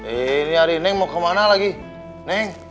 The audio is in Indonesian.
eh nyari neng mau kemana lagi neng